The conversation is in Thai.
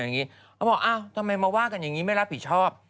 เขาบอกอ้าวทำไมมาว่ากันอย่างนี้ไม่รับผิดชอบ